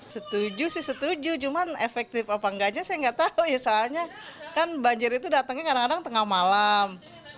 setuju sih setuju cuman efektif apa enggak aja saya nggak tahu ya soalnya kan banjir itu datangnya kadang kadang tengah malam